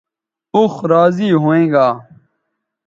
اوخ راضی ھوینگا